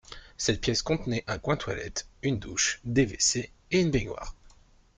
Cette pièce contenait un coin toilette, une douche, des WC et une baignoire.